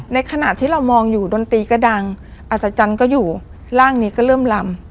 ในขณะที่เรามองอยู่ดนตรีก็ดังอัศจรรย์ก็อยู่ร่างนี้ก็เริ่มลำ